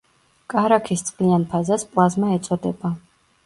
კარაქის წყლიან ფაზას პლაზმა ეწოდება.